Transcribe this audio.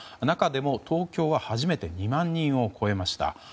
中でも東京は初めて２万人を超えました。